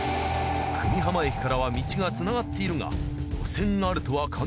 久美浜駅からは道がつながっているが。